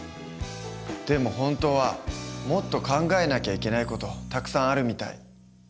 でも本当はもっと考えなきゃいけない事たくさんあるみたい。